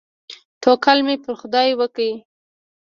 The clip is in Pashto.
توکل مې پر خداى وکړ.